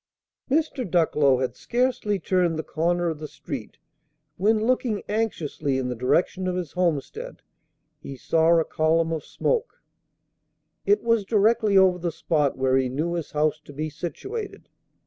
Mr. Ducklow had scarcely turned the corner of the street, when, looking anxiously in the direction of his homestead, he saw a column of smoke. It was directly over the spot where he knew his house to be situated.